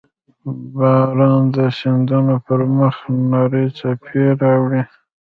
• باران د سیندونو پر مخ نرۍ څپې راوړي.